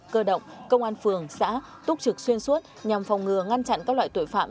cơ động công an phường xã túc trực xuyên suốt nhằm phòng ngừa ngăn chặn các loại tội phạm